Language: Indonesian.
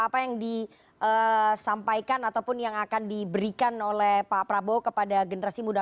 apa yang disampaikan ataupun yang akan diberikan oleh pak prabowo kepada generasi muda